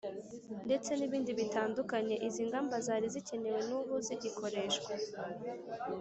ndetse n’ ibindi bitandukanye. izi ngamba zari zikenewe n’ ubu zigikoreshwa